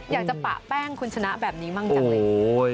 ปะแป้งคุณชนะแบบนี้มั่งจังเลย